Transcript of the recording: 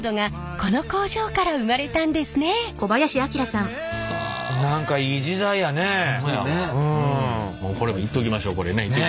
これはいっときましょうこれね。